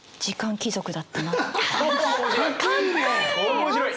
面白い。